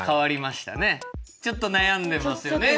ちょっと悩んでますよね。